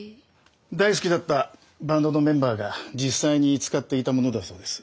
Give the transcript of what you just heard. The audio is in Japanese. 大好きだったバンドのメンバーが実際に使っていたものだそうです。